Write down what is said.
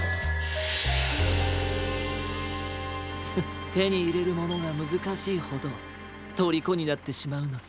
フッてにいれるものがむずかしいほどとりこになってしまうのさ。